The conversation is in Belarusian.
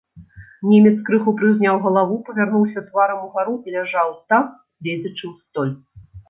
Немец крыху прыўзняў галаву, павярнуўся тварам угару і ляжаў так, гледзячы ў столь.